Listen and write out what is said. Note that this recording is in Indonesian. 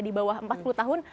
di bawah empat puluh tahun